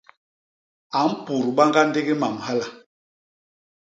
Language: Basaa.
A mpudba ñga ndigi mam hala.